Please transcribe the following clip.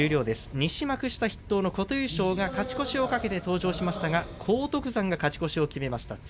西幕下筆頭の琴裕将が勝ち越しを懸けて登場しましたが荒篤山が勝ち越しを決めました。